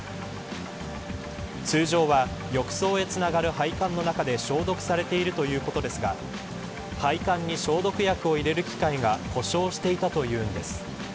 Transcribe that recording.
通常は浴槽へつながる配管の中で消毒されているということですが配管に消毒薬を入れる機械が故障していたというんです。